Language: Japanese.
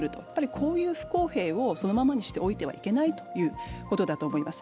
こういう不公平をそのままにしておいてはいけないということだと思います。